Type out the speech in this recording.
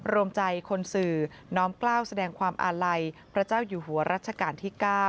รวมใจคนสื่อน้อมกล้าวแสดงความอาลัยพระเจ้าอยู่หัวรัชกาลที่๙